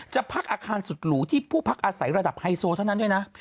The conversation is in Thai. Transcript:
พักอาคารสุดหรูที่ผู้พักอาศัยระดับไฮโซเท่านั้นด้วยนะ